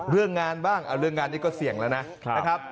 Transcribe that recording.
เรื่องงานบ้างเรื่องงานนี้ก็เสี่ยงแล้วนะครับ